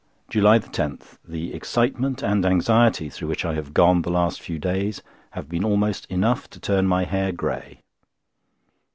JULY 10.—The excitement and anxiety through which I have gone the last few days have been almost enough to turn my hair grey.